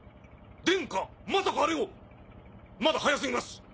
殿下まさかあれをまだ早過ぎます！